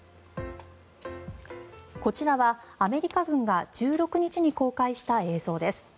こちらはアメリカ軍が１６日に公開した映像です。